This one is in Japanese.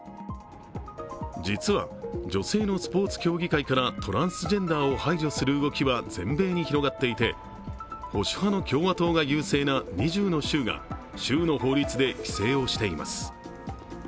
実は、女性のスポーツ競技会からトランスジェンダーを排除する動きは全米に広がっていて、保守派の共和党が有名な２０の州が州の法律で規制をしています。